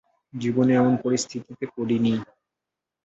জীবনেও এমন পরিস্থিতিতে পড়িনি।